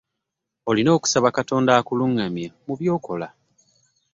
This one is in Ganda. Olina okusaba katonda akuluŋŋamye mu byokola.